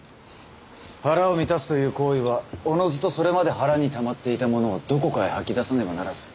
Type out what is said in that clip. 腹を満たすという行為はおのずとそれまで腹にたまっていたものをどこかへ吐き出さねばならず